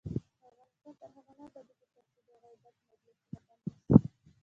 افغانستان تر هغو نه ابادیږي، ترڅو د غیبت مجلسونه بند نشي.